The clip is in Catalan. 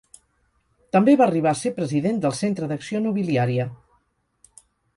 També va arribar a ser president del Centre d'Acció Nobiliària.